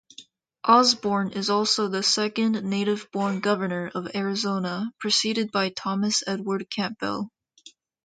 Osborn is also the second native-born governor of Arizona, preceded by Thomas Edward Campbell.